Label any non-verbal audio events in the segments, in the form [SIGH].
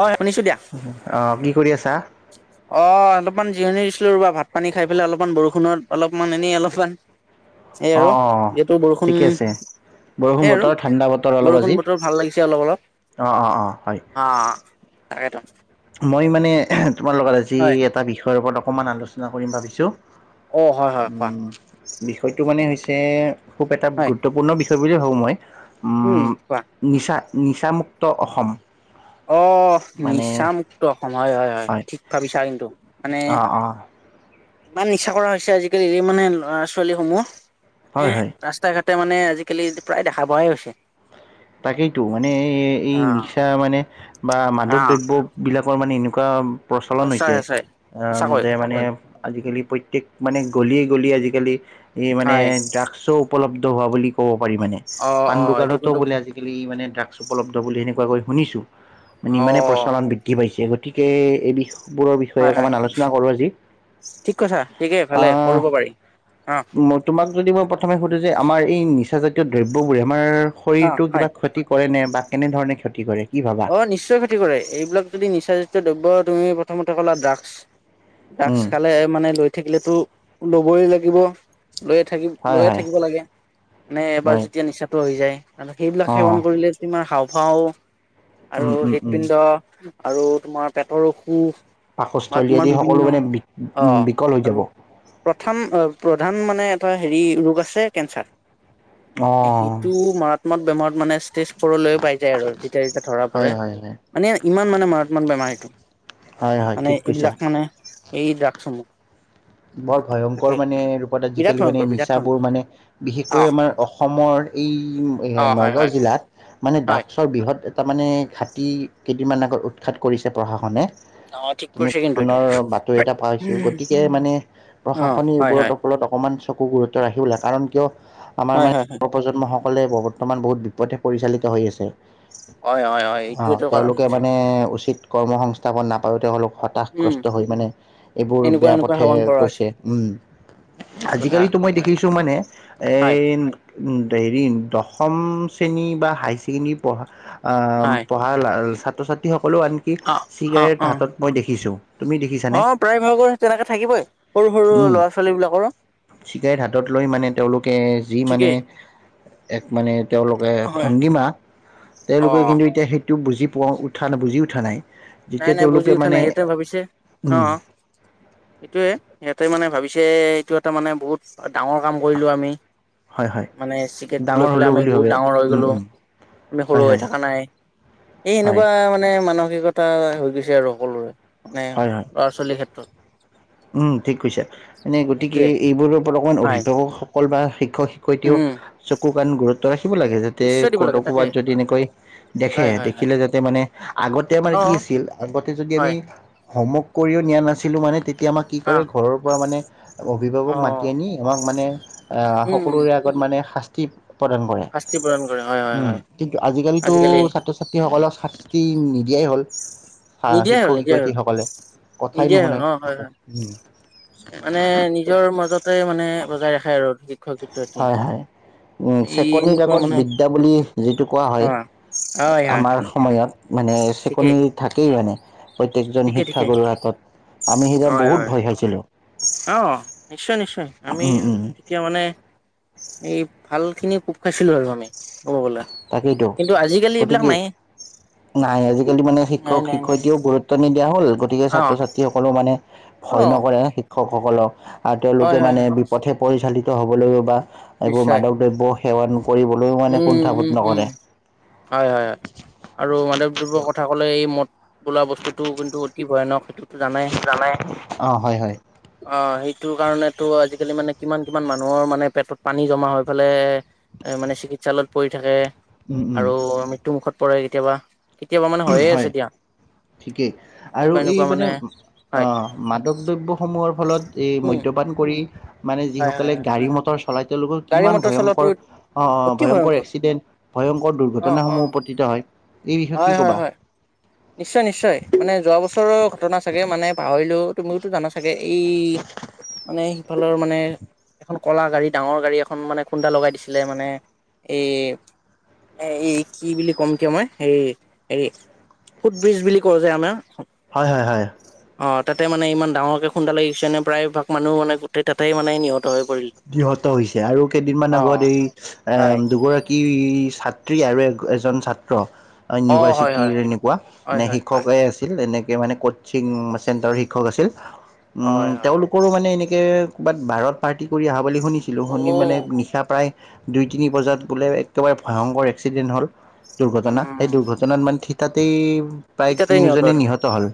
অ শুনিছো দিয়া অঁ কি কৰি আছা অঁ অলপমান জিৰণি দিছিলোঁ ৰ'বা ভাত পানী খাই পেলাই অলপমান বৰষুণত অলপমান এনেই অলপমান এই আৰু অ', অ', যিহেতু বৰষুণ ঠিকে আছে। সেই বৰষুণ আৰু বতৰ ঠাণ্ডা বতৰ অলপ বৰষুণ আজি বতৰ ভাল লাগিছে অলপ অলপ অ' অ' অ' হয়। অ', তাকেটো। মই মানে তোমাৰ লগত আজি হয় এটা বিষয়ৰ ওপৰত অকমান আলোচনা কৰিম ভাবিছো। অ হয় হয় কোৱা উম, বিষয়টো মানে হৈছে খুব এটা হয় গুৰুত্বপূৰ্ণ বিষয় বুলি ভাবো মই। উম নিচা নিচামুক্ত অসম। অ', মানে নিচামুক্ত অসম হয় হয় হয় ঠিক ভাবিছা কিন্তু। মানে অ', অ', ইমান নিচা কৰা হৈছে আজিকালি এই মানে ল'ৰা ছোৱালীসমূহ। হয়, মানে হয়। ৰাস্তাই ঘাট তে মানে আজিকালি প্ৰায় দেখা পোৱাই হৈছে। তাকেইতো মানে অ এই নিচা মানে বা মাদক দ্ৰব্য বিলাকৰ মানে এনেকুৱা অ প্ৰচলন সঁচাই হৈছে। সঁচাই উম, সঁচাকৈ যে মানে তাকে আজিকালি প্ৰত্যেক মানে গলিয়ে গলি আজিকালি এই মানে হয় ড্ৰাগছো উপলব্ধ হোৱা বুলি ক'ব পাৰি মানে। অ পাণ অ এইটো দোকানতো কিন্তু বোলে আজি আজি কালি মানে ড্ৰাগছ উপলব্ধ বুলি এনেকোৱা শুনিছো। মানে ইমানেই প্ৰচল অ', চলন বৃদ্ধি পাইছে। গতিকে এই বিষয়বোৰৰ বিষয়ে হয় হয় অকমান আলোচনা কৰো আজি। ঠিক কথা ঠিকেই ভালে আহ কৰিব পাৰি অ'। মই তোমাক যদি মই প্ৰথমে সুধোঁ যে আমাৰ এই নিচা জাতীয় দ্ৰব্যবোৰে আমাৰ অ', শৰীৰটোৰ হয়। কিবা ক্ষতি কৰেণে বা কেনেধৰণে ক্ষতি কৰে? কি ভাবা অ', নিশ্চয় ক্ষতি কৰে এইবিলাক যদি নিচা জাতীয় দ্ৰব্য তুমি প্ৰথমতে কলা ড্ৰাগছ। ড্ৰাগছ উম, খালে মানে লৈ থাকিলেতো লবই লাগিব। লৈয়ে থাকি হয় লৈয়ে হয় থাকিব লাগে মানে এবাৰ হয় যেতিয়া নিচা টো হৈ যায়। আৰু সেইবিলাক সেৱন অ', কৰিলে তোমাৰ হাওঁফাওঁ আৰু উম উম উম। হৃদপিণ্ড আৰু তোমাৰ পেটৰ অসুখ। বা পাকস্থলী তোমাৰ আদি সকলো বিভিন্ন মানে বি অ', বিকল হৈ আৰু যাব। প্ৰথম প্ৰধান মানে এটা হেৰি ৰোগ আছে কেঞ্চাৰ। সেইটো মাৰাত্মক বেমাৰত মানে ষ্টেজ ফ'ৰলৈয় পাই যায় আৰু যেতিয়া ধৰা হয় পৰে হয় হয়, মানে ইমান মানে মাৰত্মক বেমাৰ সেইটো। হয় হয় মানে ঠিক কৈছা। এইবিলাক মানে এই ড্ৰাগছসমূহ। বৰ ভয়ংকৰ তাকে মানে ৰূপত বিৰাট আজিকালি মানে ভয়ংকৰ বিৰাট নিচাবোৰ ভয়ংকৰ মানে অ বিশেষকৈ আমাৰ অসমৰ এই অ হয় হয় নগাঁও জিলাত মানে হয় ড্ৰাগছ ৰ বৃহৎ এটা মানে ঘাটি কেইদিনমান আগত উৎখাত কৰিছে প্ৰশাসনে। অ ঠিক কৰিছে তেনেকুৱা কিন্তু এইটো ধৰণৰ বাতৰি এটা পাইছো। গতিকে মানে অ প্ৰশাসনে হয় হয় এইবোৰত ফলত অকমান চকু গুৰুত্ব ৰাখিব লাগে। কাৰণ কিয় আমাৰ হয় হয় হয় মানে প্ৰজন্মসকলে বৰ্তমান বহুত বিপথে পৰিচালিত হৈ আছে। হয় হয় হয় অ', এইটোৱেটো কাৰণ তেওঁলোকে হৈছে মানে উচিত কৰ্ম সংস্থাপন নাপায়ো তেওঁলোক উম হতাশগ্ৰস্ত হৈ মানে এইবোৰ এনেকুৱা বেয়া এনেকুৱা পথে সেৱন কৰা হৈছে গৈছে উম ঠিক কথা আজিকালিতো মই হয় দেখিছো মানে হয় এই উম, দেৰি দশম শ্ৰেণী বা হাই ছেকেণ্ডৰী পঢ়া আহ হয় ভাল ছাত্ৰ ছাত্ৰীসকলেও আনকি অ অ চিগাৰেট অ হাতত মই দেখিছো। তুমি অ দেখিছানে? প্ৰায় ভাগৰে তেনেকে থাকিবই। সৰু সৰু ল'ৰা ছোৱালীবিলাকৰো। চিগাৰেত হাতত লৈ মানে তেওঁলোকে যি মানে ঠিকেই এক মানে তেওঁলোকে হয় ভংগীমা তেওঁলোকে অ কিন্তু এতিয়া সেই টো বুজি পোৱা উঠা বুজি উঠা নাই। নাই যেতিয়া নাই বুজি তেওঁলোকে উঠা মানে নাই, সিহটে ভাবিছে অ উম অ এইটোৱে সিহঁতে মানে ভাবিছে এইটো এটা মানে বহুত ডাঙৰ কাম কৰিলোঁ আমি। হয় হয় মানে ছিগাৰেত লৈ ডাঙৰ পেলাই হ'লেও আমি বুলি ভাবে বহুত ডাঙৰ হৈ উম গলো, উম আমি হয় সৰু হয় হৈ থকা নাই। এই হয় এনেকুৱা মানে মানসিকতা- এটা হৈ গৈছে আৰু সকলোৰে মানে হয় হয় ল'ৰা-ছোৱালীৰ ক্ষেত্ৰত। উম ঠিক কৈছা, মানে গতিকে সেইটোয়ে এইবোৰৰ ওপৰত অকণমান হয় অভিভাৱকসকল বা শিক্ষক শ সৈতেও উম চকু কাণ গুৰুত্ব ৰাখিব লাগে যাতে নিশ্চয় দিব ক' লাগে তাকে ক'ৰবাত যদি এনেকৈ দেখে, হয় হয় হয় দেখিলে যাতে মানে আগতে আমাৰ অ কি আছিল আগতে যদি হয় আমি হোমৱৰ্ক কৰিও নিয়া নাছিলোঁ মানে তেয়া এতিয়া আমাক কি অ কৰে ঘৰৰ পৰা মানে অ অভিভাৱক মাতি আনি, আমাক মানে উম সকলোৰে মানে শাস্তি প্ৰদান কৰে। শাস্তি প্ৰদান কৰে হয় হয় উম', হয় কিন্তু আজি কালিতো আজিকালি ছাত্ৰ-ছা ত্ৰী সকলক শাস্তি নিদিয়াই হ'ল। নিদিয়াই হ'ল শিক্ষক, নিদিয়াই শিক্ষয়িত্ৰী হ'ল সকলে কথাই নিদিয়াই হ'ল নুশুনাই অ হয় হয় উম। মানে নিজৰ মাজতে মানে বজাই ৰাখে আৰু শিক্ষক-শিক্ষয়িত্ৰী। হয় হয় চেকনিৰ আগত বিদ্যা বুলি যিটো কোৱা হয় অ', হয়, হয়, আমাৰ হয়, সময়ত। মানে ঠিকেই, চেকনি থাকেই মানে প্ৰত্যেকজন ঠিকে, ঠিকে, শিক্ষাগুৰু হাতত। আমি সেইদিনা হয় বহুত হয়, ভয় খাইছিলোঁ অ নিশ্চয় নিশ্চয় আমি উম, উম, এতিয়া মানে এই ভাল খিনি কোপ খাইছিলো আৰু আমি। কব গ'লে, তাকেইতো কিন্তু আজিকালি এইবিলাক গতিকে নাইয়ে। নাই আজিকালি মানে শিক্ষক শিক্ষয়িতীয়েও গুৰুত নিদিয়া হ'ল, গতিকে অ', ছাত্ৰ-ছাত্ৰী সকলেও মানে ভয় অ', নকৰে শিক্ষক সকলক। আৰু তেওঁলোকে হয়, হয়, মানে হয়, বিপথে পৰিচালিত হ'বলৈ বা এইবোৰ নিশ্চয়, মাদক দ্ৰব্য সেৱন - কৰিবলৈও মানে উম কুণ্ঠাবোধ উম উম, নকৰে হয় হয়। আৰু মাদকদ্ৰব্য কথা ক'লে এই মদ বোলা বস্তুটো কিন্তু অতি ভয়ানক সেইটো। জানায়ে, অ হয় হয়। অ সেইটো কাৰণেতো আজিকালি মানে কিমান কিমান মানুহৰ মানে পেটত পানী জমা হৈ পালাই এ মানে চিকিৎসালয়ত পৰি থাকে, উম, উম, আৰু মৃত্যু মুুখত পৰে কেতিয়াবা। কেতিয়াবা মানে হয়ে হয় আছে দিয়া। ঠিকেই আৰু এনেকুৱা এই এনেকুৱা মানে হয় আহ' মাদক দ্ৰব্যসমূহৰ ফলত এই উম মদ্যপান কৰি মানে হয় হয় যিসকলে হয় গাড়ী-মটৰ চলাই তেওঁলোকৰ গাড়ী কিমান মটৰ চলোৱাটো ভয়ংকৰ অ অ ভয়ংকৰ এক্সিডেণ্ট ভয়ংকৰ অ অ দুৰ্ঘটনাসমূহ উপতত হয়। এই বিষয়ে কি হয় হয় ক'বা? হয়। নিশ্চয় নিশ্চয়, মানে যোৱা বছৰৰ ঘটনা চাগে মানে পাহৰিলো তুমিতো জানা চাগে এই মানে সিফালৰ মানে এখন কলা গাড়ী ডাঙৰ গাড়ী এখন মানে খুন্দা লগাই দিছিলে মানে এই এই কি বুলি ক'ম এতিয়া মই হেৰি হেৰি ফুটব্ৰিজ বুলি কওঁ যে আমাৰ, হয় হয় হয়। অ তাতে মানে ইমান ডাঙৰকে খুন্দ লাগিছে নে প্ৰায়ভাগ মানুহ মানে গোটেই তাতে মানে নিহত হৈ পৰিল। নিহত হৈছে। আৰু কেইদিনমান অ আগত এই এ হয় দুগৰাকী কি ছাত্ৰী আৰু এজন ছাত্ৰ অ হয় হয় ইউনিভাৰ্চিটিৰ এনেকুৱা হয় নে হয় হয় শিক্ষকে আছে তেওঁলোকে তেনেকে শৈক্ষিক হয় হয় আছিল। কৰো মানে, এনেকৈ ক'ৰবাত বাহত পাৰ্টি কৰি আহা বুলি শুনিছিলোঁ অ শুনি মানে নিশা প্ৰায়। দুই তিনি বজাত বোলে একেবাৰে ভয়ংকৰ এক্সিডেণ্ট হ'ল। দুৰ্ঘটনা সেই উম দুৰ্ঘটনাত মানে থিতাতেই, প্ৰায় তিতাতে তিনিওজনে আৰু নিহত হল।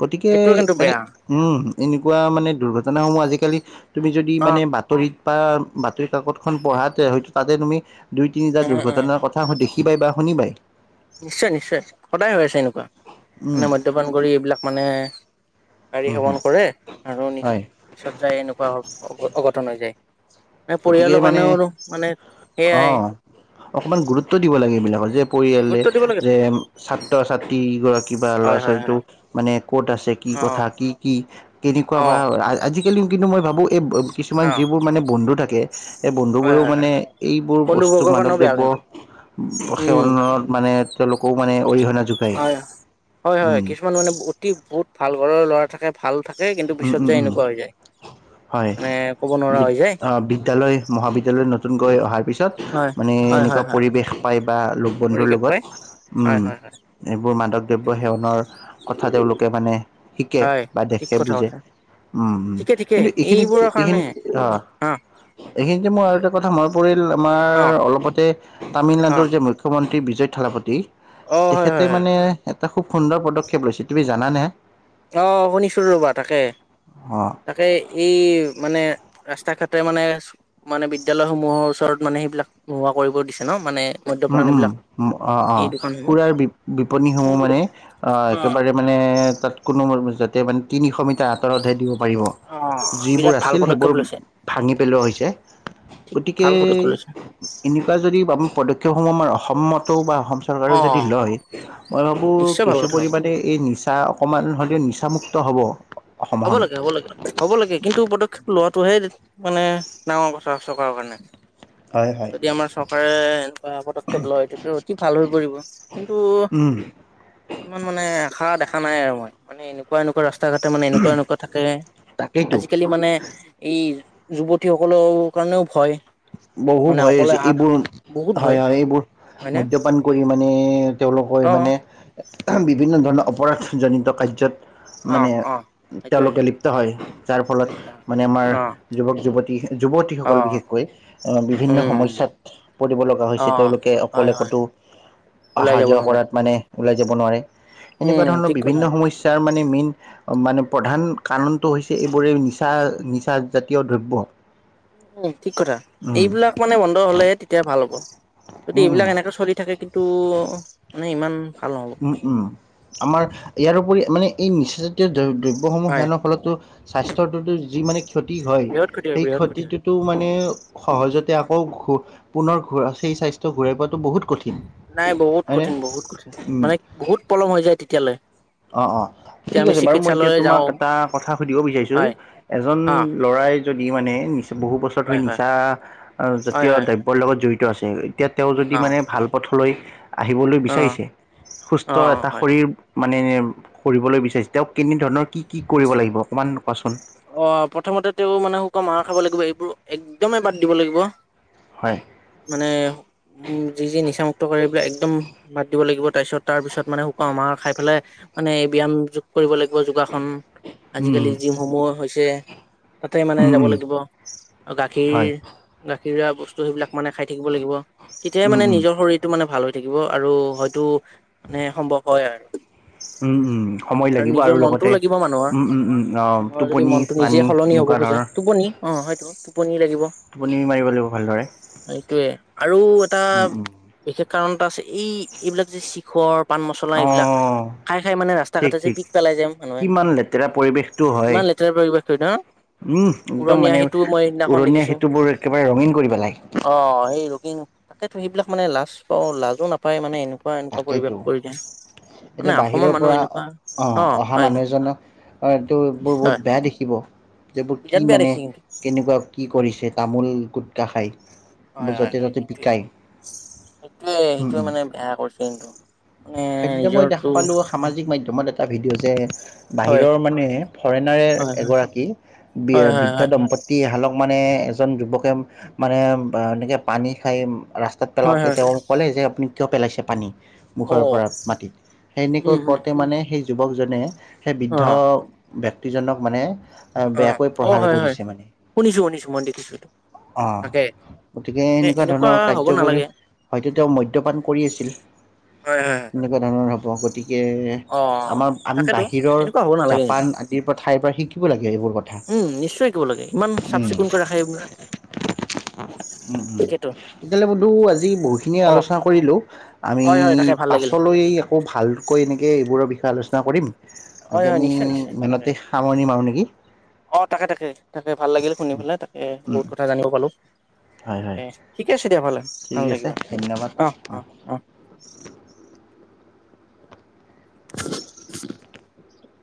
গতিকে সেইটোৱে কিন্তু মানে বেয়া উম এনেকুৱা মানে, দুৰ্ঘটনা সমূহ আজিকালি তুমি যদি অ মানে বাতৰিত বা বাতৰি কাকত খন পঢ়াত হয়তো তাতে তুমি দুই তিনিটা উম উম দুৰ্ঘটনাৰ কথা দেখিব পাই বা শুনিবাই। নিশ্চয় নিশ্চয়, সদায় হৈ আছে এনেকুৱা উম মানে মদ্যপান কৰি এইবিলাক মানে, গাড়ী উম সেৱন কৰে, আৰু নি হয় পিছত যায় এনেকুৱা অঘটন হৈ যায়। এ গতিকে পৰিয়ালৰ মানে মানুহ আৰু মানে, অ সেয়াই অকমান গুৰুত্ব দিব লাগে এইবিলাকত যে, পৰিয়ালে গুৰুত্ব দিব লাগেতো যে ছাত্ৰ-ছাত্ৰীগৰাকী বা ল'ৰা হয় হয় হয় ছোৱালীটোক মানে ক'ত আছে কি অ কথা কি কি কেনেকুৱা বা আজি কেলি কিন্তু মই ভাবোঁ, এই কিছুমান অ অ যিবোৰ মানে বন্ধু থাকে এই হয় বন্ধুবোৰেও হয় মানে হয়। এইবোৰ বস্তু বন্ধুবৰ্গৰ কাৰণেও বেয়া মাদকদ্ৰব্যৰ কিন্তু। উম, সেৱনত মানে তেওঁলোকেও মানে অৰিহণা যোগ হয়, হয় হয় কিছুমান মানে অতি বহুত ভাল ঘৰৰ ল'ৰা থাকে ভাল থাকে, কিন্তু উম পিছত উম যে উম এনেকুৱা হৈ যায়। হয় মানে ক'ব নোৱাৰা বি- হৈ যায়। অ' বিদ্যালয়, মহাবিদ্যালয়ত নতুনকৈ অহাৰ পিছত হয় মানে হয় এনেকুৱা হয় হয়। পৰিৱেশ পায় বা ল বন্ধুৰ পৰিৱেশ লগত পাই হয় উম। হয় হয় এইবোৰ মাদক এইটো দ্ৰব্যয় সেৱনৰ কথা তেওঁলোকে মানে শিকে হয় বা দেখে ঠিক খে কথা বুজে, কৈছা। উম ঠিকে ঠিকে কিন্তু এইখিনিত এইবোৰৰ এইখিনিত কাৰণেহে আহ, অ'। এইখিনিতে মোৰ আৰু এটা কথা মনত পৰিল আমাৰ অ', অলপতে, অ', তামিলনাডুৰ যে মুখ্যমন্ত্ৰী বিজয় থালাপতি অ', হয় তেখেত, হয় তেওঁ হয় মানে এটা খুব সুন্দৰ পদক্ষেপ লৈছে তুমি জানানে? অ' শুনিছোঁ ৰ'বা তাকে। অ'। তাকে এই মানে ৰাস্তা ঘাটে মানে মানে বিদ্যালয় সমূহৰ ওচৰত মানে, সেইবিলাক নোহোৱা কৰিব দিছে ন' মানে উম মদ্যপান উম, এইবিলাক অ' এই অ' দোকানসমূহ। খুৰাৰ বি- বিপনীসমূহ মানে আহ অ একেবাৰে, মানে তাত কোনো যাতে মানে তিনিশ মিটাৰ আঁতৰতহে দিব পাৰিব, অ', যিবোৰ বিৰাট ভাল আছিল সেইবোৰ পদক্ষেপ লৈছে ভাঙি পেলোৱা হৈছে। ঠিক গতিকে, ভাল পদক্ষেপ লৈছে এনেকুৱা যদি আমি পদক্ষেপসমূহ আমাৰ অসম, -সমতো বা অসম চৰকাৰেও অ যদি লয়, মই ভাবোঁ নিশ্চয় ভাল কিছু কথা হ'ব পৰিমাণে এই নিচা অকমান হলেও নিচামুক্ত হ'ব। হ'ব অসমখন। লাগে হ'ব লাগে। হ'ব লাগে কিন্তু পদক্ষেপ লোৱাটোহে মানে ডাঙৰ কথা চৰকাৰৰ কাৰণে। হয়। হয়। যদি আমাৰ চৰকাৰে, এনেকুৱা পদক্ষেপ লয়। তেতিয়া অতি ভাল হৈ পৰিব, কিন্তু উম, ইমান মানে আশা দেখা নাই আৰু মই মানে, এনেকুৱা এনেকুৱা ৰাস্তা ঘাটে মানে এনেকুৱা এনেকুৱা থাকে। তাকেইতো আজিকালি মানে, এই যুৱতী সকলৰ কাৰণেও ভয়। বহু মানে ভয় অকলে হৈছে, হাত এইবোৰ বহুত ভয় হয় হয় এইবোৰ হয়নে মদ্যপান কৰি মানে তেওঁলোকৰ অ মানে, বিভিন্ন ধৰণৰ অপৰাধজনিত কাৰ্যত, মানে অ' অ'। সেইটোৱে তেওঁলোকে লিপ্ত হয়। যাৰ ফলত মানে আমাৰ অ যুৱক-যুৱতী, যুৱতীসকল অ বিশেষকৈ। বিভিন্ন উম সমস্যাত পৰিব লগা অ হৈছে, তেওঁলোকে হয় অকলে হয় ক'তো ওলাই অহা যাব যোৱা নোৱাৰে কৰাত মানে ওলাই যাব নোৱাৰে, উম এনেকুৱা ধৰণৰ ঠিক কথা বিভিন্ন সমস্যাৰ মানে মেইন মানে প্ৰধান কাৰণটো হৈছে এইবোৰে নিচা- নিচা জাতীয় দ্ৰব্য। উম' ঠিক কথা। উম এইবিলাক মানে বন্ধ হ'লেহে তেতিয়া ভাল হ'ব। যদি উম উম এইবিলাক এনেকে চলি থাকে, কিন্তু মানে ইমান ভাল নহ'ব। উম' উম' আমাৰ ইয়াৰ উপৰি মানে এই নিচা জাতীয় দ্ৰ-দ্ৰব্যসমূহ হয় সেৱনৰ ফলতো স্বাস্থ্যৰ প্ৰতি যি মানে ক্ষতি হয়, বৃহৎ ক্ষতি হয় সেই বৃহৎ ক্ষতি হয় ক্ষতিটোত টো মানে সহজতে আকৌ ঘূ পুনৰ ঘূৰা সেই স্বাস্থ্য ঘূৰাই পোৱাটো বহুত কঠিন। নাই বহুত হয়নে? কঠিন, বহুত কঠিন উম। মানে বহুত পলম হৈ যায় তেতিয়ালৈ। অ' অ' তেতিয়া ঠিক আমি আছে, বাৰু মই এতিয়া চিকিৎসালয়লৈ তোমাক যাওঁ এটা কথা সুধিব বিচাৰিছোঁ। হয় এজন অ ল'ৰাই যদি মানে নিচা বহু বছৰ ধৰি হয় হয় নিচা হয় জাতীয় হয় দ্ৰব্যৰ লগত জড়িত আছে এতিয়া তেওঁ যদি অ মানে ভাল পথলৈ আহিবলৈ অ বিচাৰিছে, অ সুস্থ অ এটা হয় শৰীৰ মানে কৰিবলৈ বিচাৰিছে, তেওঁক কেনেধৰণৰ, কি কি কৰিব লাগিব অকণমান কোৱাচোন অ' প্ৰথমতে তেওঁ মানে শুকাম মাৰ খাব লাগিব, এইবোৰ একদমেই বাদ দিব লাগিব। হয়। মানে যি-যি নিচামুক্ত কৰে এইবিলাক একদম বাদ দিব লাগিব, তাৰপিছত, তাৰপিছত মানে শুকুৱমাৰ খাই পেলাই মানে ব্যায়াম যোগ কৰিব লাগিব যোগাসন উম, আজিকালি জিমসমূহ হৈছে তাতে মানে উম, যাব উম, লাগিব, আৰু গাখীৰ হয়, গাখীৰৰোৱা বস্তু সেইবিলাক মানে খাই থাকিব লাগিব। তেতিয়াই উম, মানে উম, নিজৰ শৰীৰ মানে ভাল হৈ থাকিব আৰু হয়তো মানে সম্ভৱ হয় আৰু। সেইটো উম, উম, সময় আৰু লাগিব আৰু নিজৰ লগতে মনটোও লাগিব মানুহৰ। উম, উম, উম, অ', মানুহৰ যদি টোপনি মনটো নিজে পানী সলনি হ'ব এনেকুৱা খোজে, ধৰণৰ টোপনি অ' হয়টো টোপনি লাগিব। টোপনি মাৰিব লাগিব ভালদৰে সেইটোৱে আৰু এটা উম, উম। বিশেষ কাৰণ এটা আছে, এই এইবিলাক যে শিখৰ পান মচলা এইবিলাক, অ', খাই-খাই মানে ৰাস্তা ঘাটে যে পিক পেলাই যে মানুহে তেতিয়া পৰিৱেশ ইমান লেতেৰা পৰিবেশ হয় ন উম, একদম উৰণীয়া মানে সেতুত মই সেইদিনাখন উৰণীয়া দেখিছোঁ, সেতুবোৰ একেবাৰে ৰঙীন কৰি পেলাই। অ'হ সেই ৰকিং তাকেতো সেইবিলাক মানে লাজ পাওঁ, লাজো নাপায় মানে এনেকুৱা এনেকুৱা তাকেইতো পৰিৱেশ কৰিলে, এতিয়া মানে বাহিৰৰ অসমৰ পৰা মানুহ এনেকুৱা অ' হয়, হয়। হয়, এইবোৰ হয় বহুত বেয়া দেখিব, এইবোৰ বিৰাট কি বেয়া মানে দেখি কিন্তু কেনেকুৱা কি কৰিছে তামোল, গুটকা খাই? হয়, হয়, য'তে হয়, ত'তে সেইটোৱে, পিকাই সেইটোৱে, উম, সেইটোৱে উম। মানে বেয়া কৰিছে কিন্তু। মানে সেইদিনা মই দেখা নিজৰটো পালোঁ সামাজিক মাধ্যমত এটা ভিডিঅ' যে হয় বাহিৰৰ মানে ফৰেনাৰে হয় হয় এগৰাকী বৃ হয় হয় বৃদ্ধ দম্পতী হালক মানে এজন যুৱকে মানে এনেকৈ পানী খাই ৰাস্তাত হয় হয় পেলাওঁতে হয় তেওঁ ক'লে যে, আপুনি কিয় পেলাইছে পানী অ মুখৰ পৰা মাটিত, সেনেকৈ উম উম কওঁতে মানে সেই যুৱকজনে সেই বৃদ্ধ অ ব্যক্তিজনক মানে অ বেয়াকৈ অ প্ৰহাৰ হয় হয় কৰিছে মানে। শুনিছো শুনিছো মই দেখিছো অ' তাকে গতিকে তাকে এনেকুৱা ধৰণৰ হ'ব কাৰ্যবোৰে নালাগে হয়তো তেওঁ মদ্যপান কৰি আছিল। হয়, হয়, হয়। এনেকুৱা ধৰণৰ হ'ব গতিকে অ আমাৰ আমি তাকেতো বাহিৰৰ এনেকুৱা হ'ব নালাগে কিন্তু জাপান, আদিৰ পৰা ঠাইৰ পৰা শিকিব লাগে এইবোৰ কথা। উম, নিশ্চয় শিকিব লাগে, ইমান চাফ উম, চিকুণকৈ ৰাখে এইবোৰ। উম, উম, এতিয়ালৈ বন্ধু আজি বহুখিনিয়ে অ আলোচনা কৰিলো। আমি হয় হয় তাকে ভাল লাগিলে পাছলৈ আকৌ ভালকৈ এনেকৈ এইবোৰ বিষয়ে আলোচনা কৰিম। আজি হয়, হয়, আমি নিশ্চয় নিশ্চয় তাকে। ইমানতে সামৰণি মাৰো নেকি? অ', তাকে তাকে তাকে ভাল লাগিল শুনি পেলাই তাকে উম, বহুত কথা জানিব পালো। হয়, হয়, তে ঠিকে আছে দিয়া ভালে, ভাল ঠিক আছে লাগিবা অহ, ধন্যবাদ। অ', অ'। [INAUDIBLE]